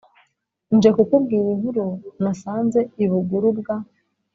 nje kukubwira inkuru nasanze i buguru bwa